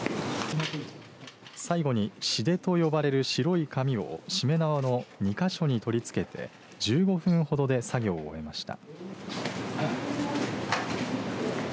最後に紙垂と呼ばれる白い紙をしめ縄の２か所に取りつけて１５分ほどで作業を終えました。